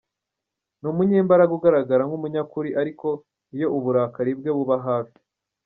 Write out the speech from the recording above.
Ni umunyembaraga, ugaragara nk’umunyakuri ariko iyo uburakari bwe buba hafi.